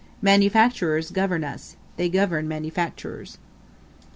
Manufacturers govern us they govern manufactures.